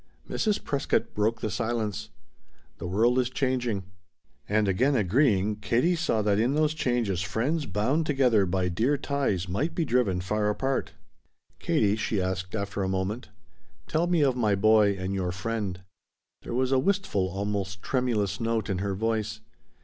Mrs. Prescott broke the silence. "The world is changing." And again agreeing, Katie saw that in those changes friends bound together by dear ties might be driven far apart. "Katie," she asked after a moment, "tell me of my boy and your friend." There was a wistful, almost tremulous note in her voice.